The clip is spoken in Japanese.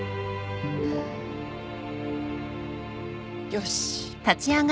よし。